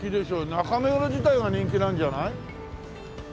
中目黒自体が人気なんじゃない？